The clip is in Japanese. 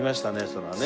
それはね。